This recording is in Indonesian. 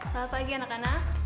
selamat pagi anak anak